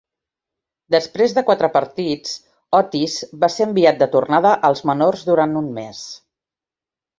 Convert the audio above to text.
Després de quatre partits, Otis va ser enviat de tornada als menors durant un mes.